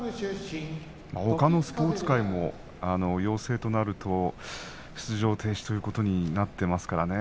ほかのスポーツ界も陽性となると出場停止ということになっていますからね。